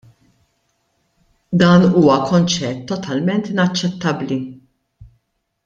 Dan huwa konċett totalment inaċċettabbli.